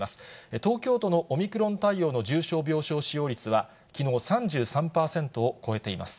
東京都のオミクロン対応の重症病床使用率は、きのう３３％を超えています。